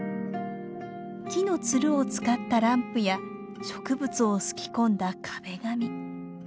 木のつるを使ったランプや植物をすき込んだ壁紙。